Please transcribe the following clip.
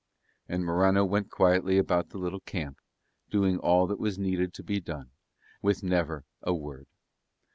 And Morano went quietly about the little camp, doing all that needed to be done, with never a word.